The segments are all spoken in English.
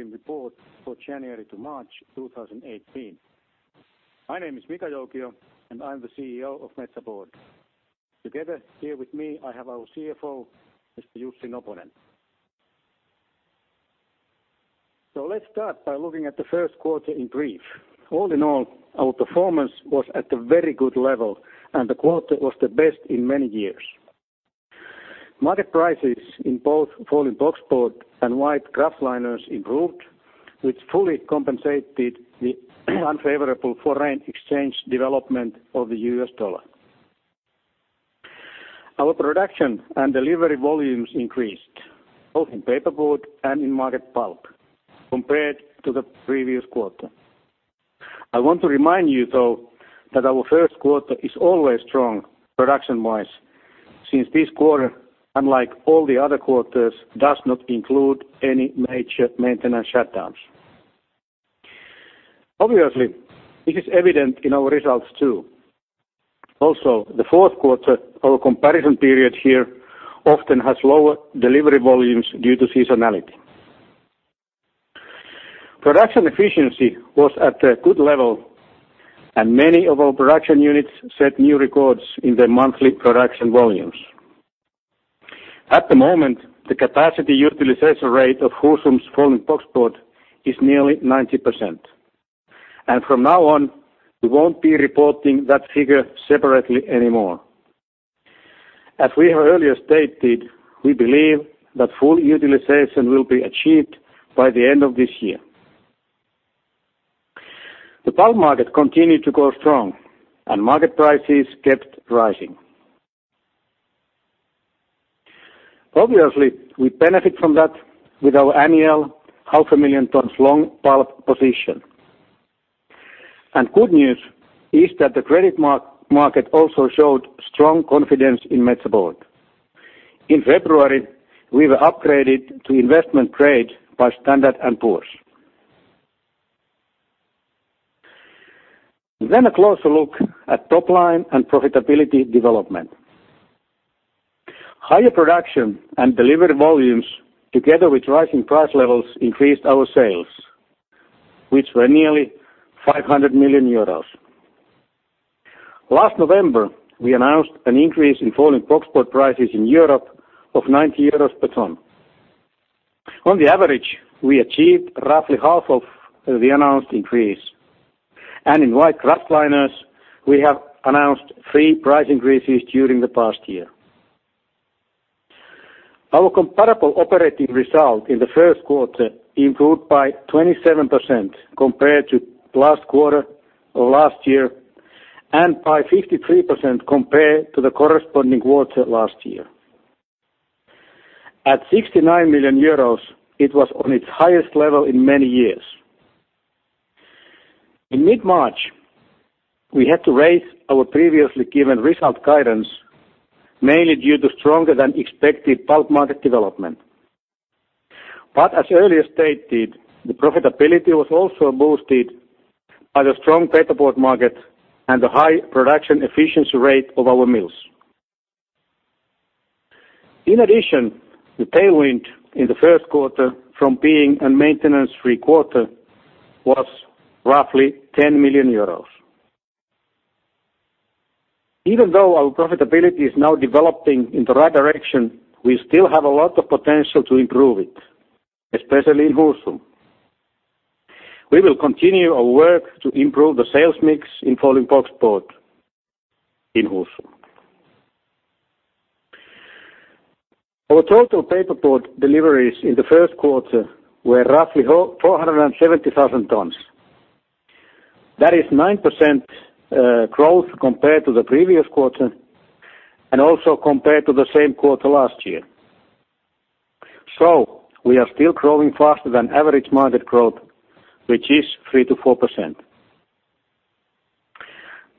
Report for January to March 2018. My name is Mika Joukio, and I'm the CEO of Metsä Board. Together here with me, I have our CFO, Mr. Jussi Noponen. So let's start by looking at the first quarter in brief. All in all, our performance was at a very good level, and the quarter was the best in many years. Market prices in both folding boxboard and white kraftliners improved, which fully compensated the unfavorable foreign exchange development of the US dollar. Our production and delivery volumes increased, both in paperboard and in market pulp, compared to the previous quarter. I want to remind you, though, that our first quarter is always strong production-wise, since this quarter, unlike all the other quarters, does not include any major maintenance shutdowns. Obviously, this is evident in our results too. Also, the fourth quarter, our comparison period here, often has lower delivery volumes due to seasonality. Production efficiency was at a good level, and many of our production units set new records in their monthly production volumes. At the moment, the capacity utilization rate of Husum's folding boxboard is nearly 90%, and from now on, we won't be reporting that figure separately anymore. As we have earlier stated, we believe that full utilization will be achieved by the end of this year. The pulp market continued to go strong, and market prices kept rising. Obviously, we benefit from that with our annual 500,000 tons long pulp position, and good news is that the credit market also showed strong confidence in Metsä Board. In February, we were upgraded to investment grade by Standard & Poor's, then a closer look at top line and profitability development. Higher production and delivery volumes, together with rising price levels, increased our sales, which were nearly 500 million euros. Last November, we announced an increase in folding boxboard prices in Europe of 90 euros per ton. On the average, we achieved roughly half of the announced increase. In white kraftliner, we have announced three price increases during the past year. Our comparable operating result in the first quarter improved by 27% compared to last quarter of last year and by 53% compared to the corresponding quarter last year. At 69 million euros, it was on its highest level in many years. In mid-March, we had to raise our previously given result guidance, mainly due to stronger than expected pulp market development. As earlier stated, the profitability was also boosted by the strong paperboard market and the high production efficiency rate of our mills. In addition, the tailwind in the first quarter from being a maintenance-free quarter was roughly EUR 10 million. Even though our profitability is now developing in the right direction, we still have a lot of potential to improve it, especially in Husum. We will continue our work to improve the sales mix in folding boxboard in Husum. Our total paperboard deliveries in the first quarter were roughly 470,000 tons. That is 9% growth compared to the previous quarter and also compared to the same quarter last year. So we are still growing faster than average market growth, which is 3%-4%.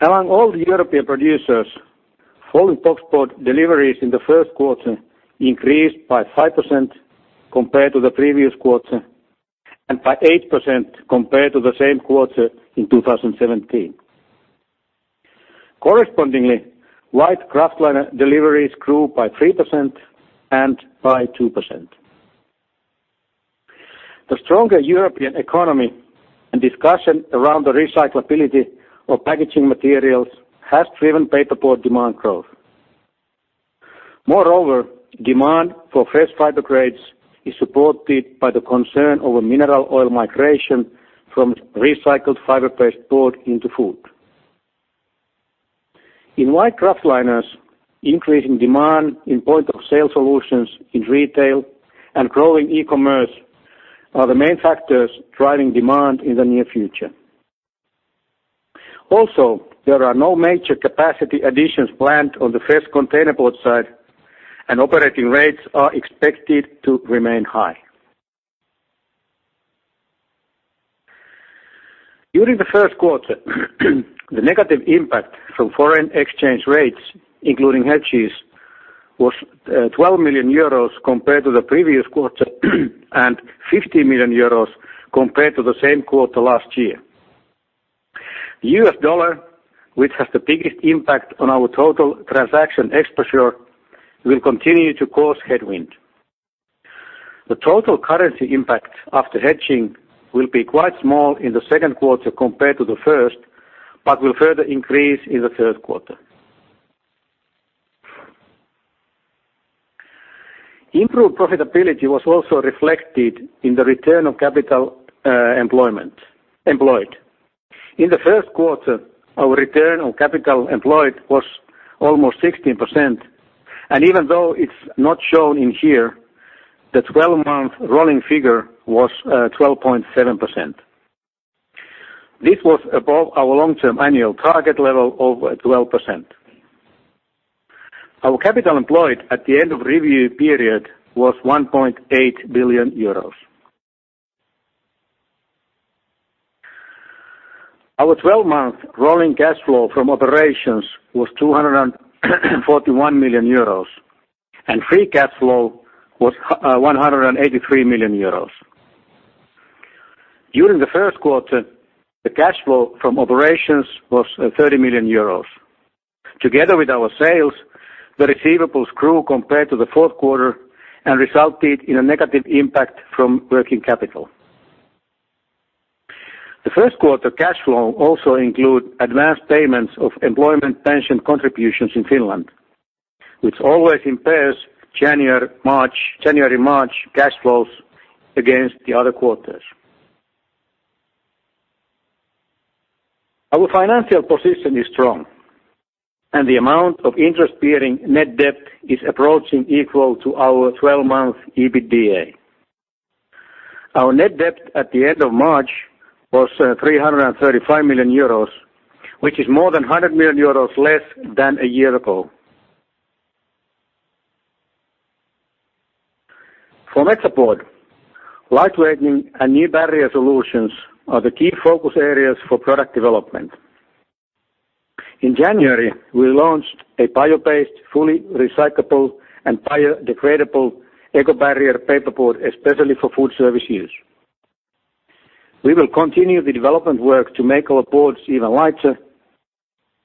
Among all the European producers, folding boxboard deliveries in the first quarter increased by 5% compared to the previous quarter and by 8% compared to the same quarter in 2017. Correspondingly, white kraftliner deliveries grew by 3% and by 2%. The stronger European economy and discussion around the recyclability of packaging materials has driven paperboard demand growth. Moreover, demand for fresh fiber grades is supported by the concern over mineral oil migration from recycled fiber-based board into food. In white kraftliners, increasing demand in point-of-sale solutions in retail and growing e-commerce are the main factors driving demand in the near future. Also, there are no major capacity additions planned on the fresh containerboard side, and operating rates are expected to remain high. During the first quarter, the negative impact from foreign exchange rates, including hedges, was 12 million euros compared to the previous quarter and 50 million euros compared to the same quarter last year. The US dollar, which has the biggest impact on our total transaction exposure, will continue to cause headwind. The total currency impact after hedging will be quite small in the second quarter compared to the first, but will further increase in the third quarter. Improved profitability was also reflected in the return on capital employed. In the first quarter, our return on capital employed was almost 16%, and even though it's not shown in here, the 12-month rolling figure was 12.7%. This was above our long-term annual target level of 12%. Our capital employed at the end of review period was 1.8 billion euros. Our 12-month rolling cash flow from operations was 241 million euros, and free cash flow was 183 million euros. During the first quarter, the cash flow from operations was 30 million euros. Together with our sales, the receivables grew compared to the fourth quarter and resulted in a negative impact from working capital. The first quarter cash flow also included advance payments of employment pension contributions in Finland, which always impairs January-March cash flows against the other quarters. Our financial position is strong, and the amount of interest-bearing net debt is approaching equal to our 12-month EBITDA. Our net debt at the end of March was 335 million euros, which is more than 100 million euros less than a year ago. For Metsä Board, lightweighting and new barrier solutions are the key focus areas for product development. In January, we launched a bio-based, fully recyclable, and biodegradable eco-barrier paperboard, especially for food service use. We will continue the development work to make our boards even lighter,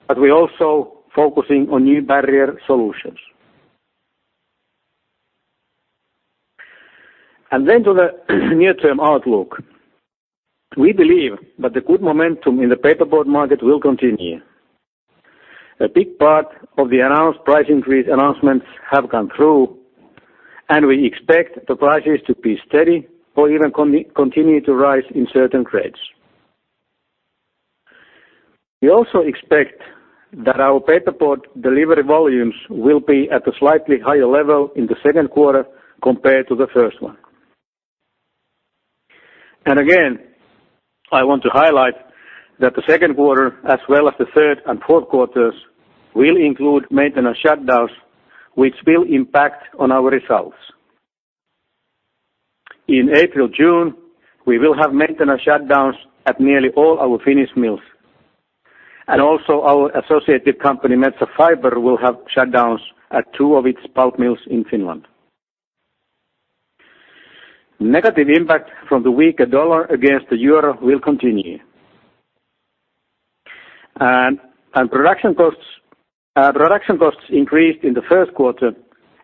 but we are also focusing on new barrier solutions. And then to the near-term outlook, we believe that the good momentum in the paperboard market will continue. A big part of the announced price increase announcements have gone through, and we expect the prices to be steady or even continue to rise in certain grades. We also expect that our paperboard delivery volumes will be at a slightly higher level in the second quarter compared to the first one. And again, I want to highlight that the second quarter, as well as the third and fourth quarters, will include maintenance shutdowns, which will impact our results. In April-June, we will have maintenance shutdowns at nearly all our Finnish mills, and also our associated company, Metsä Fibre, will have shutdowns at two of its pulp mills in Finland. Negative impact from the weaker dollar against the euro will continue. And production costs increased in the first quarter,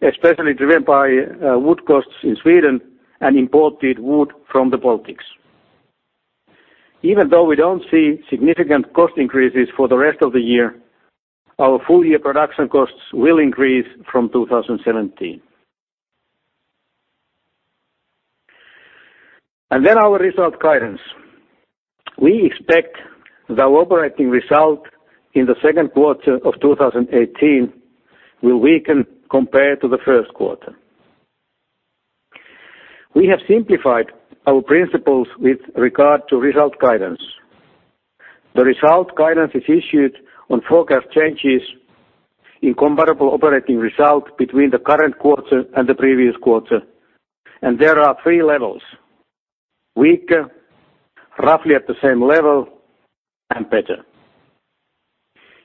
especially driven by wood costs in Sweden and imported wood from the Baltics. Even though we don't see significant cost increases for the rest of the year, our full-year production costs will increase from 2017. And then our result guidance. We expect that our operating result in the second quarter of 2018 will weaken compared to the first quarter. We have simplified our principles with regard to result guidance. The result guidance is issued on forecast changes in comparable operating result between the current quarter and the previous quarter, and there are three levels: weaker, roughly at the same level, and better.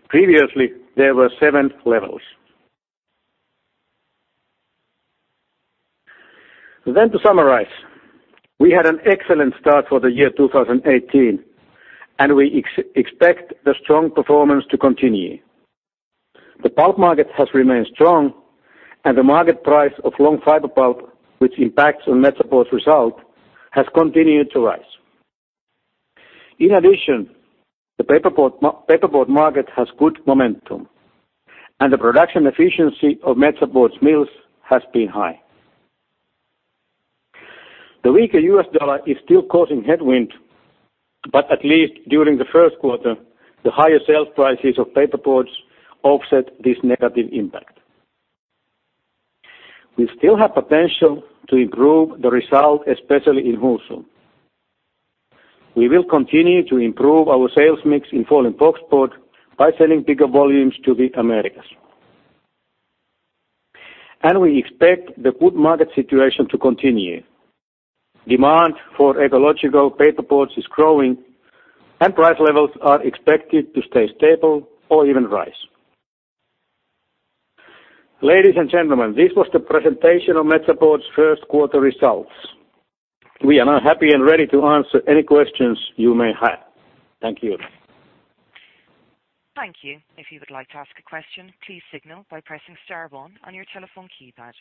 Previously, there were seven levels. Then to summarize, we had an excellent start for the year 2018, and we expect the strong performance to continue. The pulp market has remained strong, and the market price of long fiber pulp, which impacts on Metsä Board's result, has continued to rise. In addition, the paperboard market has good momentum, and the production efficiency of Metsä Board's mills has been high. The weaker US dollar is still causing headwind, but at least during the first quarter, the higher sales prices of paperboards offset this negative impact. We still have potential to improve the result, especially in Husum. We will continue to improve our sales mix in folding boxboard by selling bigger volumes to the Americas. We expect the good market situation to continue. Demand for ecological paperboards is growing, and price levels are expected to stay stable or even rise. Ladies and gentlemen, this was the presentation of Metsä Board's first quarter results. We are now happy and ready to answer any questions you may have. Thank you. Thank you. If you would like to ask a question, please signal by pressing star one on your telephone keypad.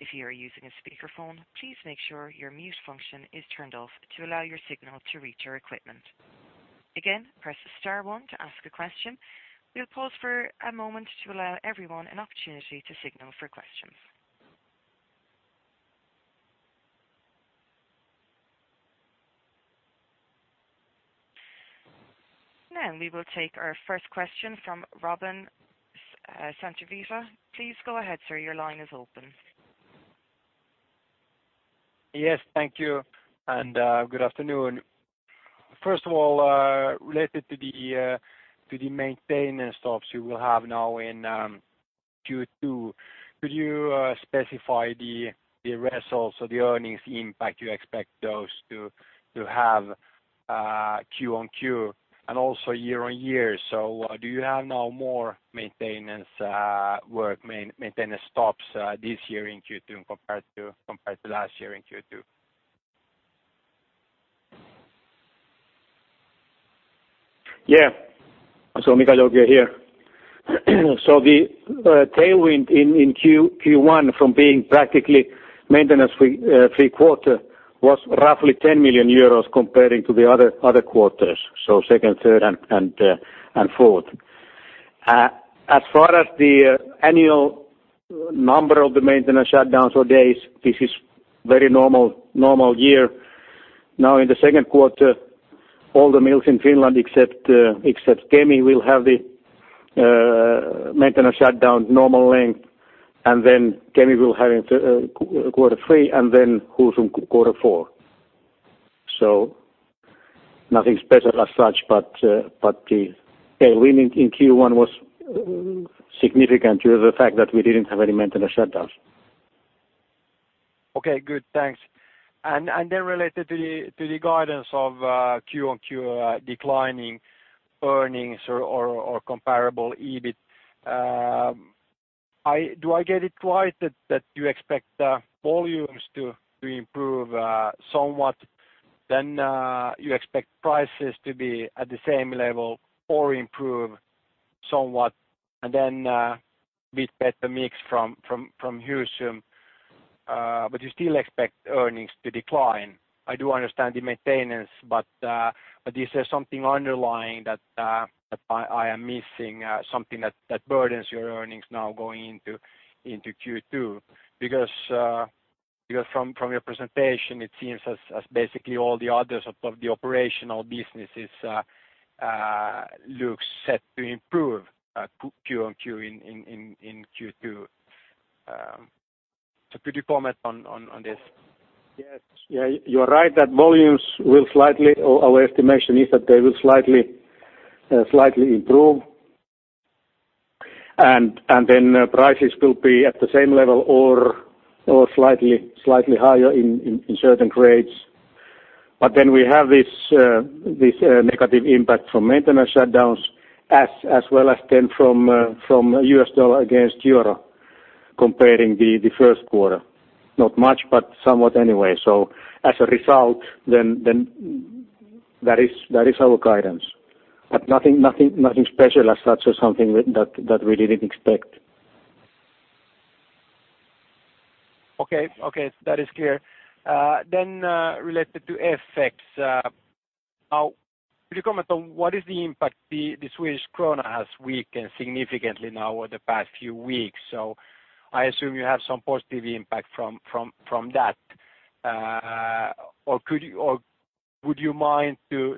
If you are using a speakerphone, please make sure your mute function is turned off to allow your signal to reach your equipment. Again, press star one to ask a question. We'll pause for a moment to allow everyone an opportunity to signal for questions. Now we will take our first question from Robin Santavirta. Please go ahead, sir. Your line is open. Yes, thank you. And good afternoon. First of all, related to the maintenance stops you will have now in Q2, could you specify the results or the earnings impact you expect those to have Q-on-Q and also year on year? So do you have now more maintenance work, maintenance stops this year in Q2 compared to last year in Q2? Yeah. So, Mika Joukio here. So the tailwind in Q1 from being practically maintenance-free quarter was roughly 10 million euros compared to the other quarters, so second, third, and fourth. As far as the annual number of the maintenance shutdowns or days, this is a very normal year. Now in the second quarter, all the mills in Finland except Kemi will have the maintenance shutdown normal length, and then Kemi will have quarter three and then Husum quarter four. So nothing special as such, but the tailwind in Q1 was significant due to the fact that we didn't have any maintenance shutdowns. Okay, good. Thanks. And then related to the guidance of Q-on-Q declining earnings or comparable EBIT, do I get it right that you expect volumes to improve somewhat, then you expect prices to be at the same level or improve somewhat, and then be better mix from Husum, but you still expect earnings to decline? I do understand the maintenance, but is there something underlying that I am missing, something that burdens your earnings now going into Q2? Because from your presentation, it seems as basically all the others of the operational businesses look set to improve Q-on-Q in Q2. So could you comment on this? Yes. Yeah, you're right that volumes will slightly, our estimation is that they will slightly improve. And then prices will be at the same level or slightly higher in certain grades. But then we have this negative impact from maintenance shutdowns as well as then from US dollar against euro comparing the first quarter. Not much, but somewhat anyway. So as a result, then that is our guidance. But nothing special as such or something that we didn't expect. Okay. Okay, that is clear. Then related to effects, could you comment on what is the impact the Swedish krona has weakened significantly now over the past few weeks? So I assume you have some positive impact from that. Or would you mind to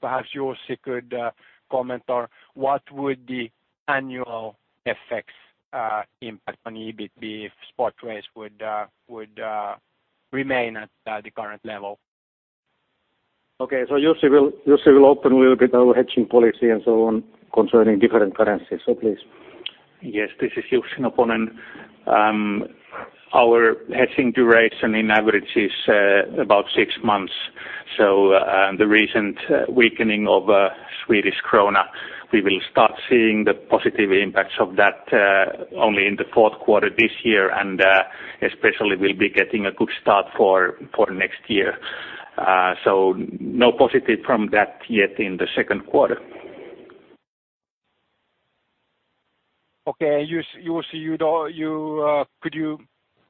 perhaps Jussi could comment on what would the annual effects impact on EBIT be if spot rates would remain at the current level? Okay, so Jussi will open a little bit our hedging policy and so on concerning different currencies. So, please. Yes, this is Jussi Noponen. Our hedging duration in average is about six months. So the recent weakening of Swedish krona, we will start seeing the positive impacts of that only in the fourth quarter this year, and especially we'll be getting a good start for next year. So no positive from that yet in the second quarter. Okay. And Jussi, could you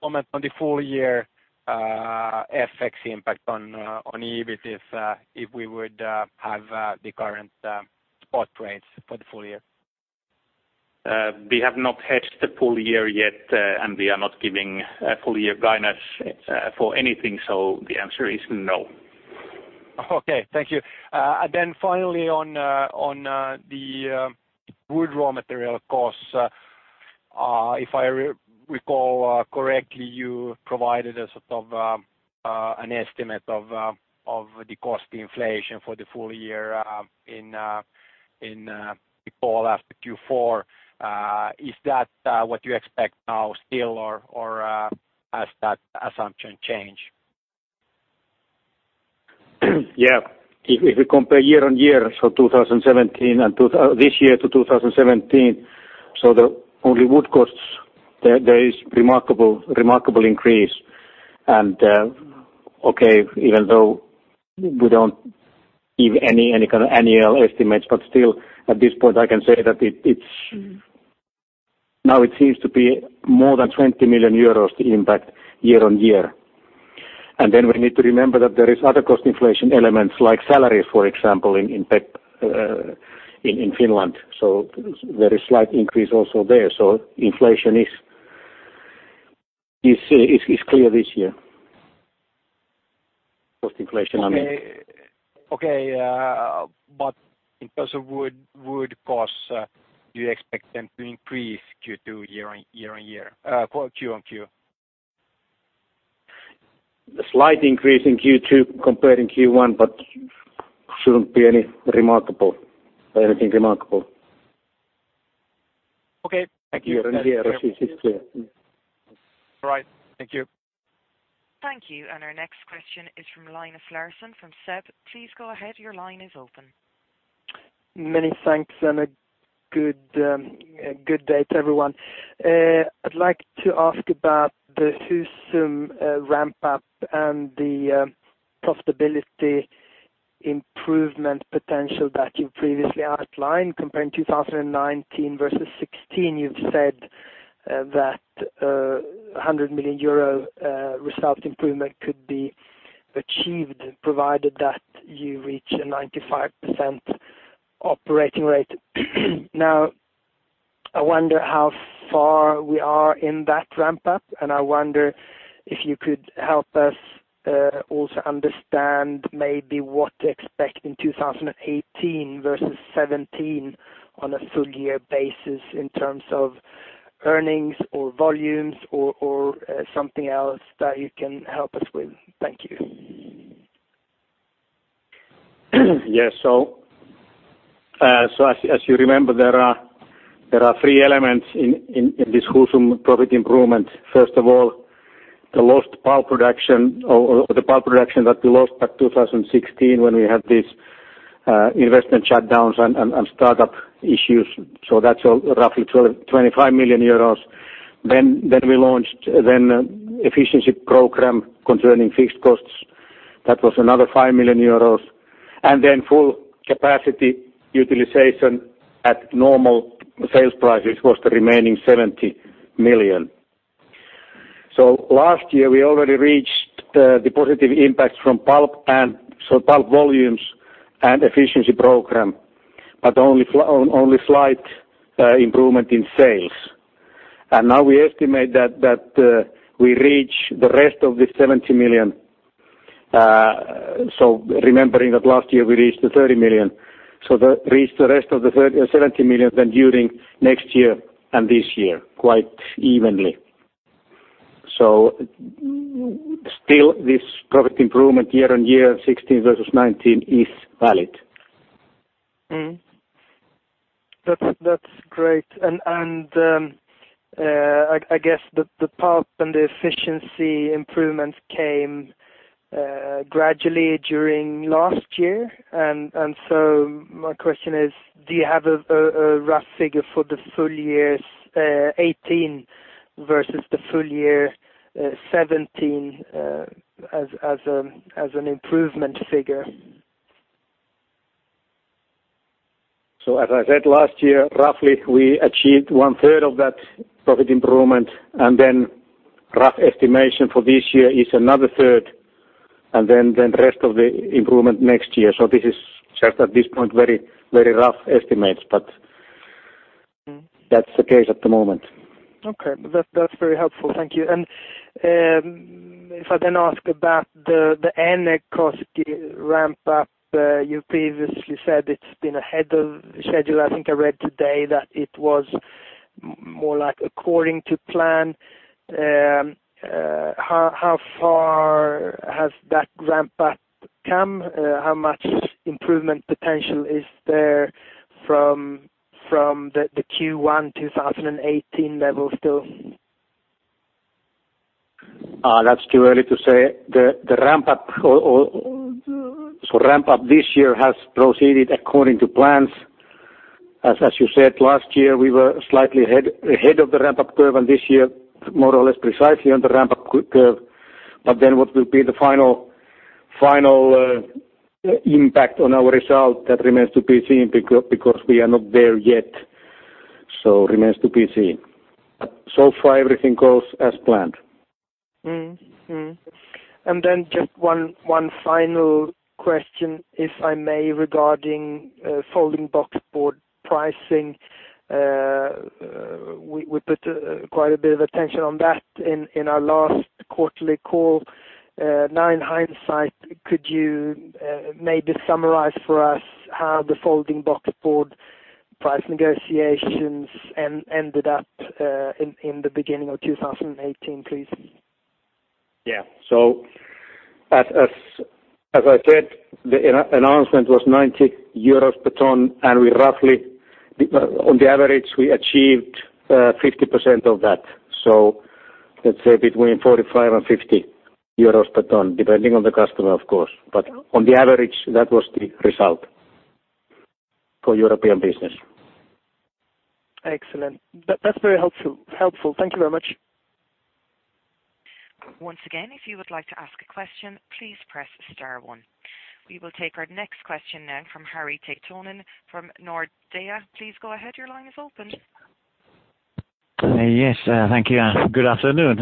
comment on the full-year effects impact on EBITDA if we would have the current spot rates for the full year? We have not hedged the full year yet, and we are not giving full-year guidance for anything, so the answer is no. Okay. Thank you, and then finally on the wood raw material costs, if I recall correctly, you provided a sort of an estimate of the cost inflation for the full year in full after Q4. Is that what you expect now still, or has that assumption changed? Yeah. If we compare year-on-year, so 2017 and this year to 2017, so the only wood costs, there is remarkable increase. And okay, even though we don't give any kind of annual estimates, but still at this point I can say that now it seems to be more than 20 million euros the impact year on year. And then we need to remember that there are other cost inflation elements like salaries, for example, in Finland. So there is a slight increase also there. So inflation is clear this year. Cost inflation on. Okay. Okay. But in terms of wood costs, do you expect them to increase Q2 year-on-year Q-on-Q? A slight increase in Q2 compared to Q1, but shouldn't be anything remarkable. Okay. Thank you. Year-on-year, this is clear. All right. Thank you. Thank you. And our next question is from Linus Larsson from SEB. Please go ahead. Your line is open. Many thanks and a good day, everyone. I'd like to ask about the Husum ramp-up and the profitability improvement potential that you previously outlined comparing 2019 versus 2016. You've said that 100 million euro result improvement could be achieved provided that you reach a 95% operating rate. Now, I wonder how far we are in that ramp-up, and I wonder if you could help us also understand maybe what to expect in 2018 versus 2017 on a full-year basis in terms of earnings or volumes or something else that you can help us with. Thank you. Yeah. So as you remember, there are three elements in this Husum profit improvement. First of all, the lost pulp production or the pulp production that we lost back in 2016 when we had these investment shutdowns and startup issues. So that's roughly 25 million euros. Then we launched an efficiency program concerning fixed costs. That was another 5 million euros. And then full capacity utilization at normal sales prices was the remaining 70 million. So last year, we already reached the positive impact from pulp volumes and efficiency program, but only slight improvement in sales. And now we estimate that we reach the rest of the 70 million. So remembering that last year we reached the 30 million. So reach the rest of the 70 million then during next year and this year quite evenly. So still, this profit improvement year-on-year 2016 versus 2019 is valid. That's great, and I guess the pulp and the efficiency improvement came gradually during last year, and so my question is, do you have a rough figure for the full year 2018 versus the full year 2017 as an improvement figure? So as I said, last year, roughly we achieved one-third of that profit improvement, and then rough estimation for this year is another third, and then the rest of the improvement next year. So this is just at this point very rough estimates, but that's the case at the moment. Okay. That's very helpful. Thank you. And if I then ask about the Äänekoski ramp-up, you previously said it's been ahead of schedule. I think I read today that it was more like according to plan. How far has that ramp-up come? How much improvement potential is there from the Q1 2018 level still? That's too early to say. The ramp-up this year has proceeded according to plans. As you said, last year we were slightly ahead of the ramp-up curve, and this year more or less precisely on the ramp-up curve. But then what will be the final impact on our result, that remains to be seen because we are not there yet. So it remains to be seen. But so far, everything goes as planned. And then just one final question, if I may, regarding folding boxboard pricing. We put quite a bit of attention on that in our last quarterly call. Now in hindsight, could you maybe summarize for us how the folding boxboard price negotiations ended up in the beginning of 2018, please? Yeah, so as I said, the announcement was 90 euros per ton, and on the average, we achieved 50% of that, so let's say between 45 and 50 euros per ton, depending on the customer, of course, but on the average, that was the result for European business. Excellent. That's very helpful. Thank you very much. Once again, if you would like to ask a question, please press star one. We will take our next question now from Harri Taittonen from Nordea. Please go ahead. Your line is open. Yes. Thank you. Good afternoon.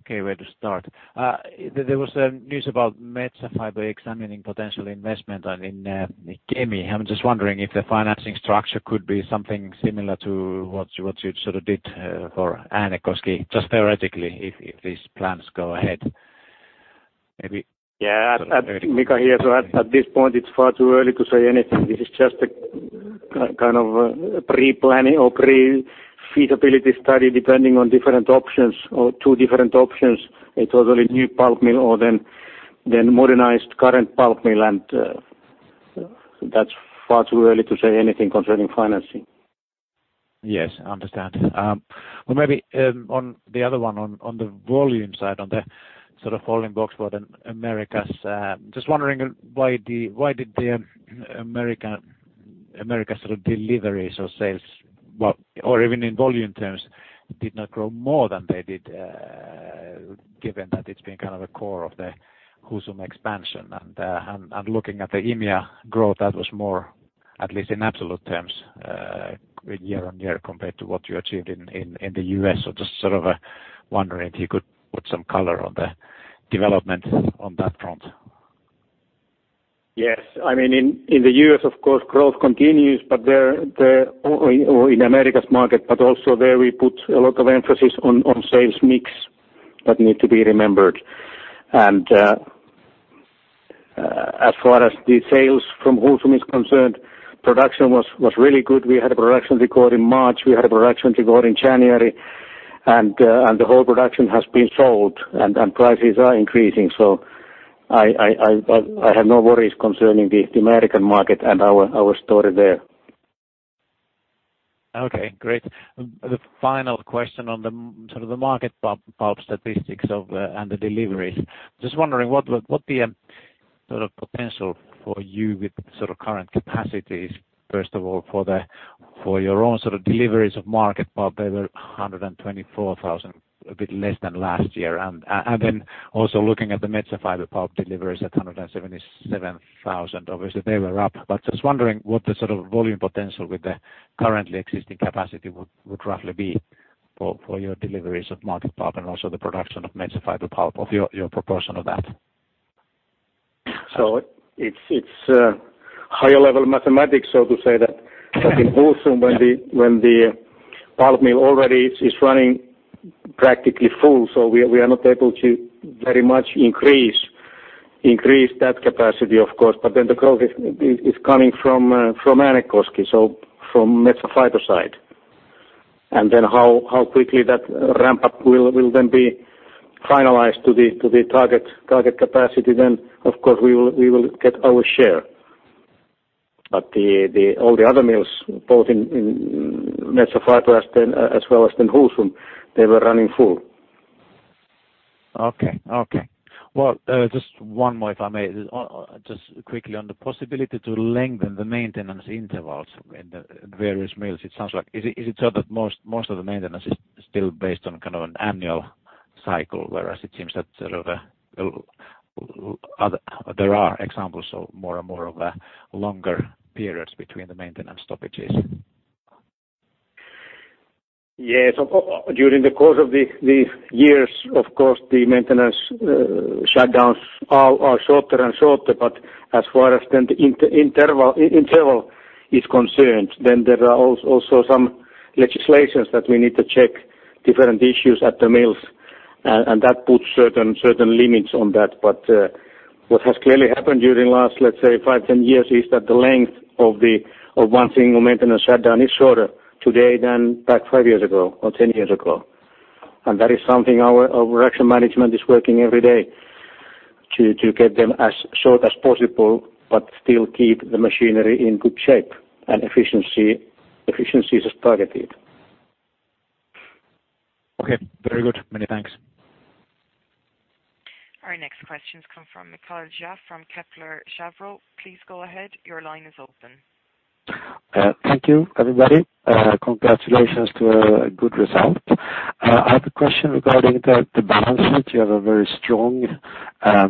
Okay, where to start? There was news about Metsä Fibre examining potential investment in Kemi. I'm just wondering if the financing structure could be something similar to what you sort of did for Äänekoski, just theoretically, if these plans go ahead. Yeah. Mika here. So at this point, it's far too early to say anything. This is just a kind of pre-planning or pre-feasibility study depending on different options or two different options, a totally new pulp mill or then modernized current pulp mill. And that's far too early to say anything concerning financing. Yes. I understand. Well, maybe on the other one, on the volume side, on the sort of folding boxboard in Americas, just wondering why did the American sort of deliveries or sales, or even in volume terms, did not grow more than they did, given that it's been kind of a core of the Husum expansion? And looking at the EMEA growth, that was more, at least in absolute terms, year-on-year compared to what you achieved in the U.S. So just sort of wondering if you could put some color on the development on that front. Yes. I mean, in the U.S., of course, growth continues, but in Americas market, but also there we put a lot of emphasis on sales mix that need to be remembered. And as far as the sales from Husum is concerned, production was really good. We had a production record in March. We had a production record in January. And the whole production has been sold, and prices are increasing. So I have no worries concerning the American market and our story there. Okay. Great. The final question on the sort of the market pulp statistics and the deliveries. Just wondering what the sort of potential for you with sort of current capacity is, first of all, for your own sort of deliveries of market pulp. They were 124,000, a bit less than last year. And then also looking at the Metsä Fibre pulp deliveries at 177,000, obviously they were up. But just wondering what the sort of volume potential with the currently existing capacity would roughly be for your deliveries of market pulp and also the production of Metsä Fibre pulp of your proportion of that. So it's higher level mathematics, so to say, that in Husum, when the pulp mill already is running practically full, so we are not able to very much increase that capacity, of course. But then the growth is coming from Äänekoski, so from Metsä Fibre side. And then how quickly that ramp-up will then be finalized to the target capacity, then of course we will get our share. But all the other mills, both in Metsä Fibre as well as in Husum, they were running full. Okay. Okay. Well, just one more if I may, just quickly on the possibility to lengthen the maintenance intervals in the various mills. It sounds like is it so that most of the maintenance is still based on kind of an annual cycle, whereas it seems that sort of there are examples of more and more of longer periods between the maintenance stoppages? Yes. During the course of the years, of course, the maintenance shutdowns are shorter and shorter, but as far as the interval is concerned, then there are also some legislations that we need to check different issues at the mills. And that puts certain limits on that. But what has clearly happened during the last, let's say, five, 10 years is that the length of one single maintenance shutdown is shorter today than back five years ago or 10 years ago. And that is something our production management is working every day to get them as short as possible, but still keep the machinery in good shape and efficiency is targeted. Okay. Very good. Many thanks. Our next questions come from Mikael Jåfs from Kepler Cheuvreux. Please go ahead. Your line is open. Thank you, everybody. Congratulations to a good result. I have a question regarding the balance sheet. You have a very strong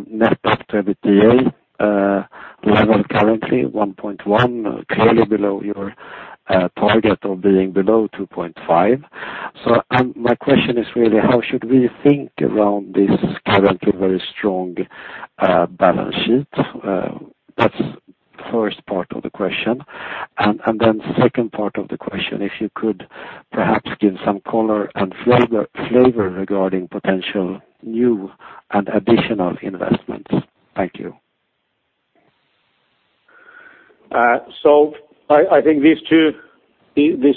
net debt to EBITDA level currently, 1.1, clearly below your target of being below 2.5. So my question is really, how should we think around this currently very strong balance sheet? That's the first part of the question, and then second part of the question, if you could perhaps give some color and flavor regarding potential new and additional investments. Thank you. So I think these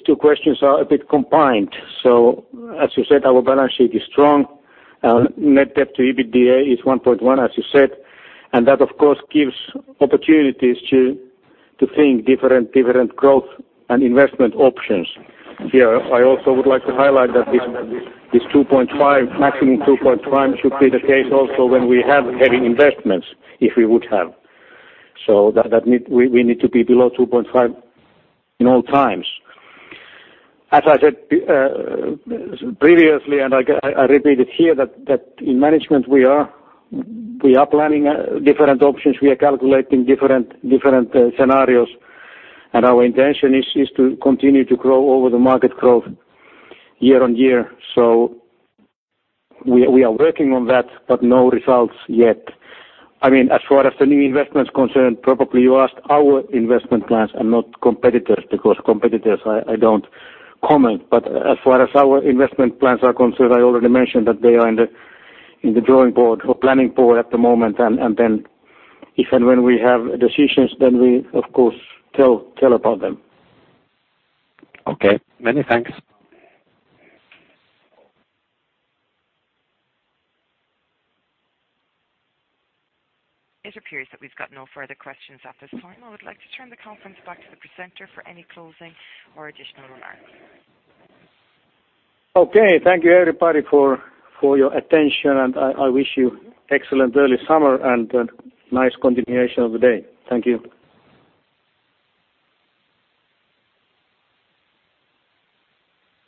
two questions are a bit combined. So as you said, our balance sheet is strong. Net debt to EBITDA is 1.1, as you said. And that, of course, gives opportunities to think different growth and investment options here. I also would like to highlight that this 2.5, maximum 2.5, should be the case also when we have heavy investments, if we would have. So we need to be below 2.5 in all times. As I said previously, and I repeat it here, that in management, we are planning different options. We are calculating different scenarios. And our intention is to continue to grow over the market growth year-on-year. So we are working on that, but no results yet. I mean, as far as the new investments concerned, probably you asked our investment plans and not competitors because competitors, I don't comment. But as far as our investment plans are concerned, I already mentioned that they are in the drawing board or planning board at the moment. And then if and when we have decisions, then we, of course, tell about them. Okay. Many thanks. It appears that we've got no further questions at this point. I would like to turn the conference back to the presenter for any closing or additional remarks. Okay. Thank you, everybody, for your attention, and I wish you excellent early summer and nice continuation of the day. Thank you.